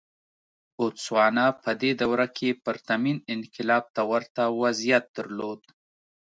بوتسوانا په دې دوره کې پرتمین انقلاب ته ورته وضعیت درلود.